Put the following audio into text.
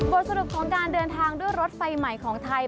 สรุปของการเดินทางด้วยรถไฟใหม่ของไทย